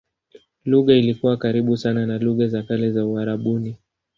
Lugha ilikuwa karibu sana na lugha za kale za Uarabuni.